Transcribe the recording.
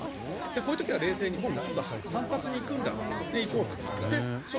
こういう時は冷静にそうだ、散髪に行くんだ行こうって。